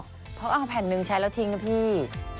เขาเอาแผ่นหนึ่งใช้แล้วทิ้งนะพี่